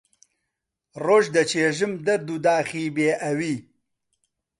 ڕۆژ دەچێژم دەرد و داخی بێ ئەوی